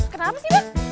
kenapa sih bang